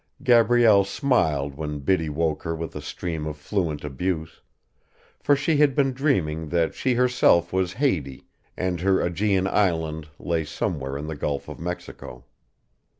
Gabrielle smiled when Biddy woke her with a stream of fluent abuse, for she had been dreaming that she herself was Haidee and her Aegean island lay somewhere in the Gulf of Mexico.